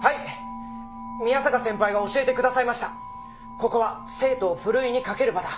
「ここは生徒をふるいにかける場だ」